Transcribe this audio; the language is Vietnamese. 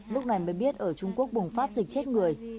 lúc này mới biết ở trung quốc bùng phát dịch chết người